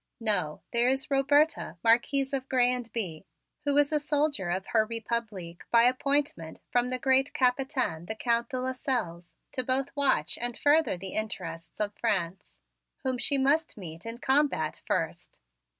No, there is Roberta, Marquise of Grez and Bye, who is a soldier of her Republique by appointment from the great Capitaine, the Count de Lasselles, to both watch and further the interests of France, whom she must meet in combat first!"